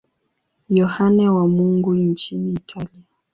Yohane wa Mungu nchini Italia.